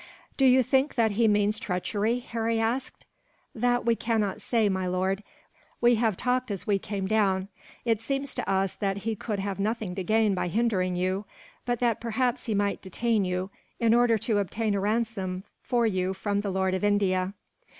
"Do you think that he means treachery?" Harry asked. "That we cannot say, my lord. We have talked as we came down. It seems to us that he could have nothing to gain by hindering you; but that perhaps he might detain you, in order to obtain a ransom for you from the lord of India."